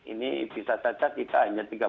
ini bisa saja kita hanya